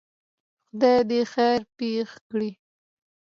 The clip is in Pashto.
خدای دی خیر پېښ کړي.